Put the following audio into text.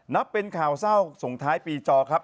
นับเป็นข่าวเศร้าส่งท้ายปีจอครับ